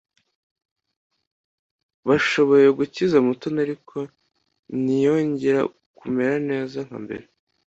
Bashoboye gukiza Mutoni ariko ntiyongere kumera neza nkambere.